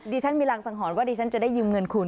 ดิฉันมีรางสังหรณ์ว่าดิฉันจะได้ยืมเงินคุณ